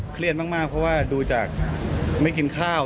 เครียดมากเพราะว่าดูจากไม่กินข้าว